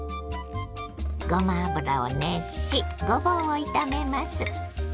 ごま油を熱しごぼうを炒めます。